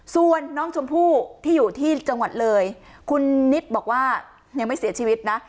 ส่วนน้องชมพู่ที่อยู่ที่จังหวัดเลยคุณนิดบอกว่ายังไม่เสียชีวิตนะ